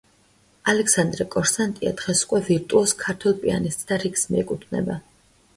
ალექსანდრე კორსანტია დღეს უკვე, ვირტუოზ ქართველ პიანისტთა რიგს მიეკუთვნება.